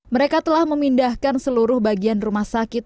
mereka telah memindahkan seluruh bagian rumah sakit